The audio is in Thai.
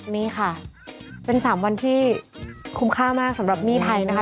นี่ค่ะเป็น๓วันที่คุ้มค่ามากสำหรับหนี้ไทยนะคะ